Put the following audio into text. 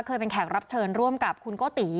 เคยเป็นแขกรับเชิญร่วมกับคุณโกติ